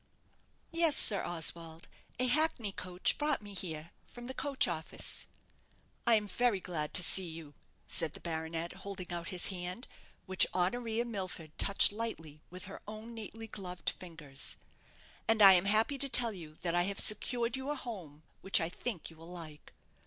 "Yes, Sir Oswald; a hackney coach brought me here from the coach office." "I am very glad to see you," said the baronet, holding out his hand, which Honoria Milford touched lightly with her own neatly gloved fingers; "and I am happy to tell you that I have secured you a home which I think you will like."